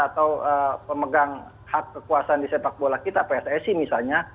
atau pemegang hak kekuasaan di sepak bola kita pssi misalnya